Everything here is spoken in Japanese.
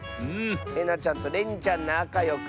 えなちゃんとれにちゃんなかよくしてね！